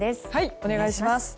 お願いします。